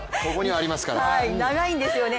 長いんですよね。